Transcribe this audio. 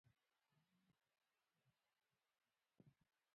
قومونه د افغانستان د بڼوالۍ برخه ده.